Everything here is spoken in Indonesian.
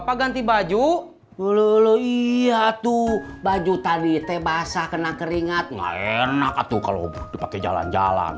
hai bapak ganti baju lolo iya tuh baju tadi teh basah kena keringat enak atau kalau dipakai jalan jalan